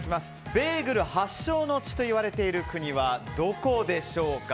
ベーグル発祥の地といわれている国はどこでしょうか？